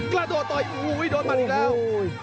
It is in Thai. กระโดดต่อยโอ้โหโอ้โหโอ้โหโอ้โหโอ้โห